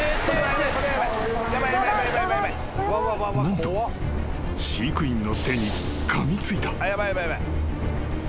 ［何と飼育員の手にかみついた］